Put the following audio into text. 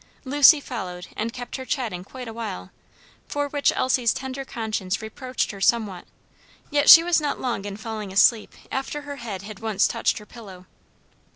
Lucy followed and kept her chatting quite a while, for which Elsie's tender conscience reproached her somewhat; yet she was not long in falling asleep after her head had once touched her pillow.